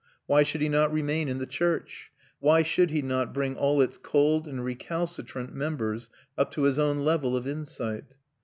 Why should he not remain in the church? Why should he not bring all its cold and recalcitrant members up to his own level of insight?